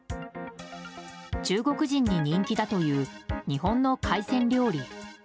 中国人に人気だという日本の海鮮料理。